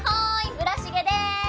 村重です。